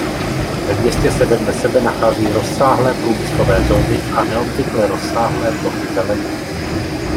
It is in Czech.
Ve městě se vedle sebe nachází rozsáhlé průmyslové zóny a neobvykle rozsáhlé plochy zeleně.